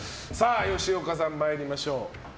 吉岡さん、参りましょう。